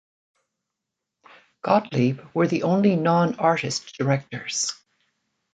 Gottlieb were the only non-artist directors.